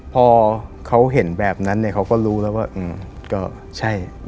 พอเขาเห็นแบบนั้นเนี่ยเขาก็รู้แล้วว่าก็ใช่